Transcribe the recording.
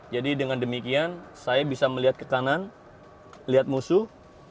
jadi dengan demikian saya bisa melihat ke kanan lihat musuh